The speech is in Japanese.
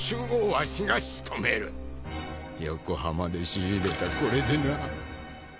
横浜で仕入れたこれでな。